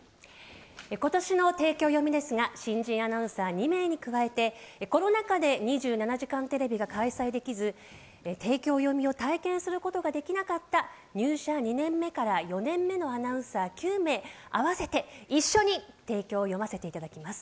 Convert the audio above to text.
今年の提供読みですが新人アナウンサー２名に加えてコロナ禍で２７時間テレビが開催できず提供読みを体験することができなかった入社２年目から４年目のアナウンサー９名合わせて一緒に提供を読ませていただきます。